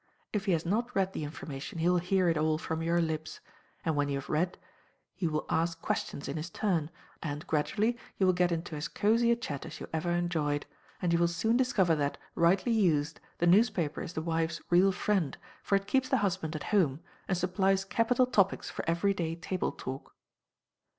If he has not read the information, he will hear it all from your lips, and when you have read, he will ask questions in his turn, and, gradually, you will get into as cosy a chat as you ever enjoyed; and you will soon discover that, rightly used, the newspaper is the wife's real friend, for it keeps the husband at home, and supplies capital topics for every day table talk.